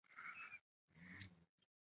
هغوی خپل کور جوړوي